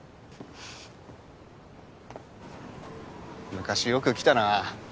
昔よく来たな。